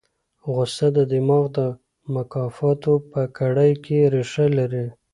غوسه د دماغ د مکافاتو په کړۍ کې ریښه لري.